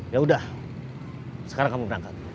yaudah sekarang kamu berangkat